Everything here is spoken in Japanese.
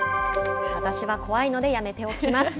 私は怖いのでやめておきます。